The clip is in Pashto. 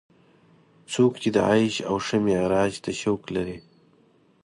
څوک چې د عیش او ښه معراج ته شوق لري.